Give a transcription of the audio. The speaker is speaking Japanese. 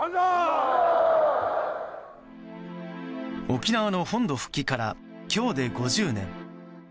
沖縄の本土復帰から今日で５０年。